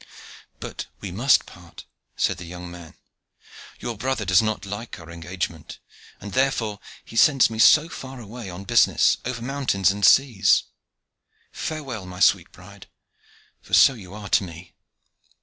"But we must part," said the young man; "your brother does not like our engagement, and therefore he sends me so far away on business, over mountains and seas. Farewell, my sweet bride; for so you are to me."